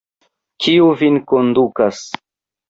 Kiu vin kondukas?